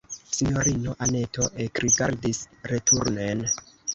Sinjorino Anneto ekrigardis returnen.